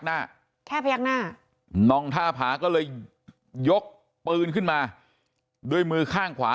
หน้าแค่พยักหน้านองท่าผาก็เลยยกปืนขึ้นมาด้วยมือข้างขวา